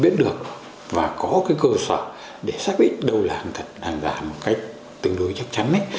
biết được và có cái cơ sở để xác định đâu là hàng thật hàng giả một cách tương đối chắc chắn